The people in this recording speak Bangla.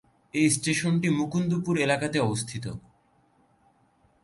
এই স্টেশনটি মুকুন্দপুর এলাকাতে অবস্থিত।